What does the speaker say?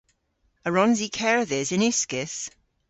A wrons i kerdhes yn uskis?